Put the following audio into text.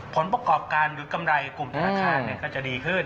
ผลประกอบการหรือกำไรกลุ่มธนาคารก็จะดีขึ้น